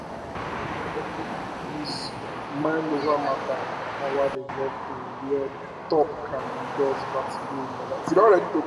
His "mind-over-matter" powers evolve to where Top can induce vertigo in others.